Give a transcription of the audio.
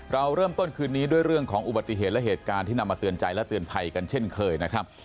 เราเริ่มต้นคืนนี้ด้วยเรื่องของอุบัติเหตุและเหตุการณ์ที่นำมาเตือนใจและเตือนภัยกันเช่นเคยนะครับ